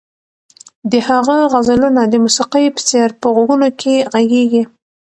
د هغه غزلونه د موسیقۍ په څېر په غوږونو کې غږېږي.